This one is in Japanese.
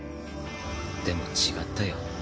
でも違ったよ。